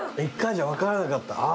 一回じゃ分からなかった。